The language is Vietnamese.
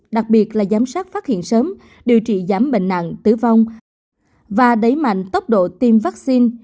đặc biệt là giám sát phát hiện sớm điều trị giảm bệnh nặng tử vong và đẩy mạnh tốc độ tiêm vaccine